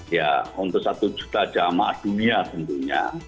ya untuk satu juta jamaah dunia tentunya